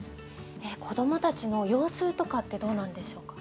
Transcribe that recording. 子どもたちの様子とかってどうなんでしょうか？